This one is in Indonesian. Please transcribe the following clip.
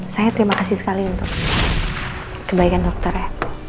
saya terima kasih sekali untuk kebaikan dokternya